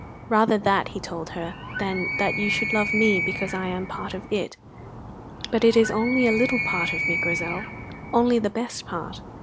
"Rather that," he told her, "than that you should love me because I am part of it. But it is only a little part of me, Grizel; only the best part.